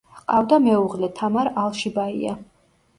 ჰყავდა მეუღლე, თამარ ალშიბაია.